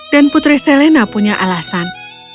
dan putri selena punya alasan